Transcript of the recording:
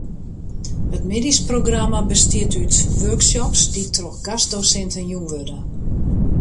It middeisprogramma bestiet út workshops dy't troch gastdosinten jûn wurde.